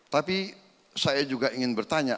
tapi saya juga ingin bertanya